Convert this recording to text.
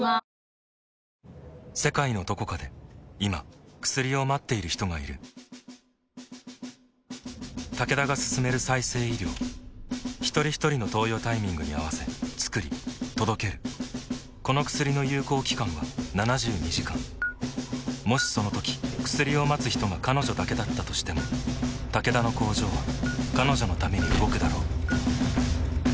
世界のどこかで今薬を待っている人がいるタケダが進める再生医療ひとりひとりの投与タイミングに合わせつくり届けるこの薬の有効期間は７２時間もしそのとき薬を待つ人が彼女だけだったとしてもタケダの工場は彼女のために動くだろう